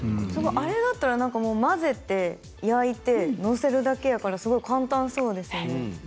あれだったら混ぜて焼いて載せるだけやからすごく簡単そうですよね。